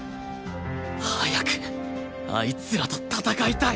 早くあいつらと戦いたい！